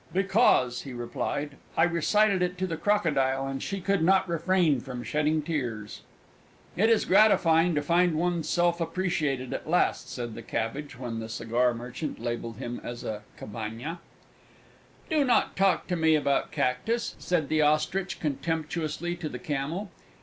"Because," he replied, "I recited it to the Crocodile, and she could not refrain from shedding tears!" "It is gratifying to find oneself appreciated at last," said the Cabbage, when the Cigar Merchant labelled him as a Cabaña. "Don't talk to me about Cactus," said the Ostrich contemptuously to the Camel.